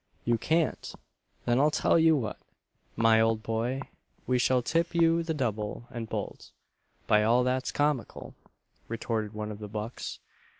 "You can't! then I'll tell you what, my old boy, we shall tip you the double and bolt, by all that's comical!" retorted one of the bucks.